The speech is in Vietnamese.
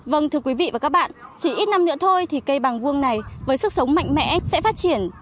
vâng thưa quý vị và các bạn chỉ ít năm nữa thôi thì cây bàng vuông này với sức sống mạnh mẽ sẽ phát triển